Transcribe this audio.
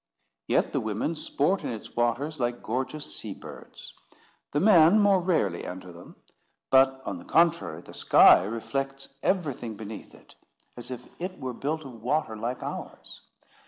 Yet the women sport in its waters like gorgeous sea birds. The men more rarely enter them. But, on the contrary, the sky reflects everything beneath it, as if it were built of water like ours.